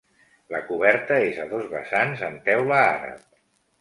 La coberta és a dos vessants amb teula àrab.